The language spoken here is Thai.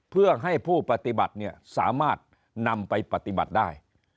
เพื่อให้ผู้ปฏิบัติสามารถนำไปปฏิบัติได้